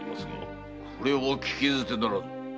それは聞き捨てならぬ。